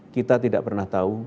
kita tidak pernah tahu